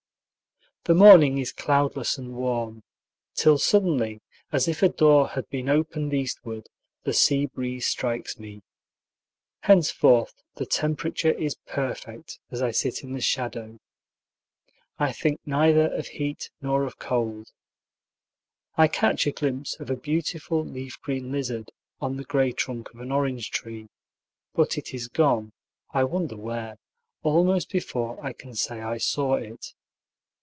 The morning is cloudless and warm, till suddenly, as if a door had been opened eastward, the sea breeze strikes me. Henceforth the temperature is perfect as I sit in the shadow. I think neither of heat nor of cold. I catch a glimpse of a beautiful leaf green lizard on the gray trunk of an orange tree, but it is gone (I wonder where) almost before I can say I saw it.